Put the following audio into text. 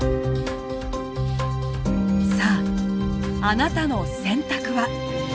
さああなたの選択は。